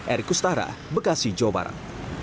erik ustara bekasi jawa barat